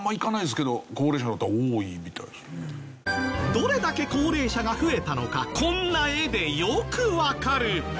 どれだけ高齢者が増えたのかこんな絵でよくわかる。